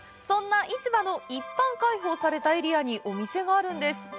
そんな市場の一般開放されたエリアにお店があるんです。